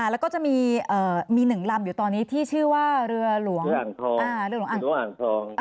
แล้วก็จะมี๑ลำอยู่ตอนนี้ที่ชื่อว่าเรือหลวงอ่างทอง